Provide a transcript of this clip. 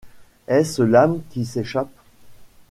Est-ce l’âme qui s’échappe?